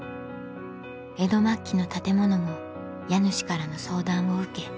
江戸末期の建物も家主からの相談を受け